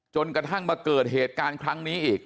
จนกระทั่งมาเกิดเหตุการณ์ครั้งนี้อีก